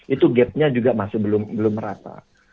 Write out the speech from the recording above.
itu gapnya juga masih belum merata